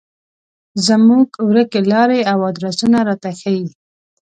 زموږ ورکې لارې او ادرسونه راته ښيي.